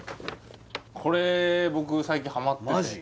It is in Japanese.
これ僕最近ハマっててマジ？